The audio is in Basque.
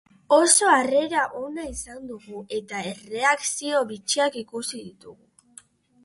Oso harrera ona izan dugu, eta erreakzio bitxiak ikusi ditugu.